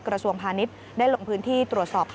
กระทรวงพาณิชย์ได้ลงพื้นที่ตรวจสอบ